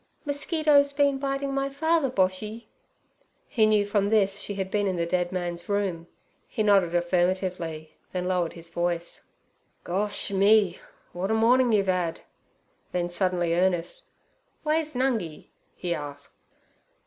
'Mosquitoes been biting my father, Boshy?' He knew from this she had been in the dead man's room. He nodded affirmatively, then lowered his voice: 'Gosh me! w'at a mornin' you've 'ad!' Then, suddenly earnest, 'Way's Nungi?' he asked.